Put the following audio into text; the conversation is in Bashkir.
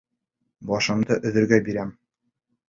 Башымды өҙөргә бирәм!